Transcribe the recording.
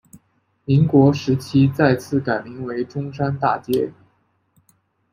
民国时期再次改名为中山大街。